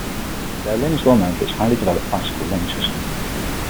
Berlin is well known for its highly developed bicycle lane system.